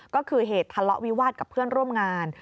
ก็คือเหตุทะเลาะวิวาสกับเพื่อนร่วมงาน